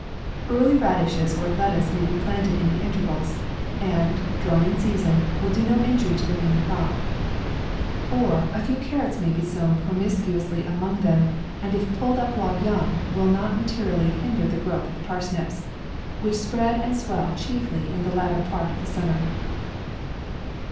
Early radishes or lettuce may be planted in the intervals, and, drawn in season, will do no injury to the main crop. Or a few car MAY, 83 rots maybe sown promiscuously among them, and if pulled up while young, will not mate rially hinder the growth of the parsnips, which spread and swell chiefly in the latter part of the summer.